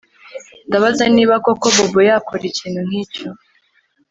Ndabaza niba koko Bobo yakora ikintu nkicyo